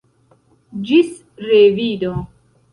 Ĝis revido